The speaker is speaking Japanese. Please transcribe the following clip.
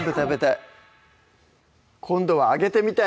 今度は揚げてみたい！